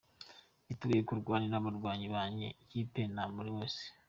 “Niteguye kurwanira abakinnyi banjye, ikipe, na buri wese.